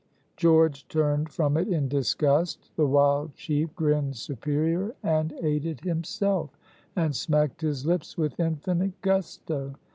George turned from it in disgust; the wild chief grinned superior and ate it himself, and smacked his lips with infinite gusto.